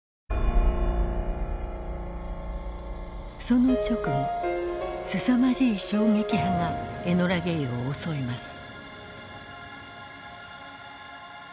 その直後すさまじい衝撃波が「エノラ・ゲイ」を襲います。